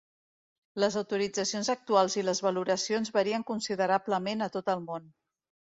Les autoritzacions actuals i les valoracions varien considerablement a tot el món.